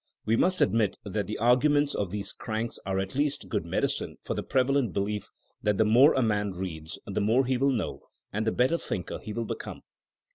We must admit that the arguments of these cranks are at least good medicine for the prevalent belief that the more a man reads the more he will know and the better thinker he will become.